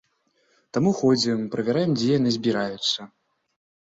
Таму ходзім, правяраем, дзе яны збіраюцца.